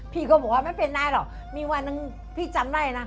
พี่เค้าบอกว่ามันเป็นไรเหรอมีวันนึงพี่จำได้